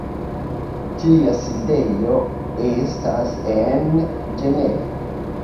Ĝia sidejo estas en Ĝenevo.